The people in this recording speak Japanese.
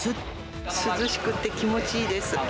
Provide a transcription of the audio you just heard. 涼しくて気持ちいいです。